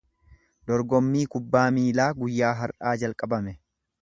Dorgommii kubbaa miilaa guyyaa har’aa jalqabame.